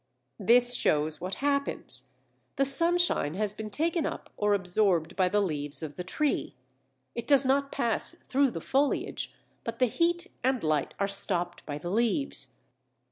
This shows what happens: the sunshine has been taken up or absorbed by the leaves of the tree. It does not pass through the foliage, but the heat and light are stopped by the leaves.